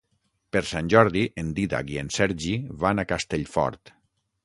Per Sant Jordi en Dídac i en Sergi van a Castellfort.